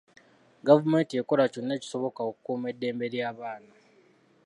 Gavumenti ekola kyonna ekisoboka okukuuma eddembe ly'abaana.